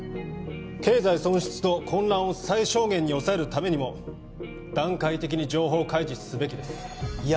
経済損失と混乱を最小限に抑えるためにも段階的に情報を開示すべきですいや